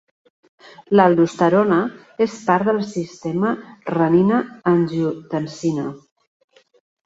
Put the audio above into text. L'aldosterona és part del sistema renina-angiotensina.